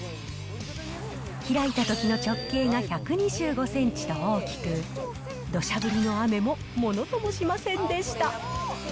開いたときの直径が１２５センチと大きく、どしゃ降りの雨もものともしませんでした。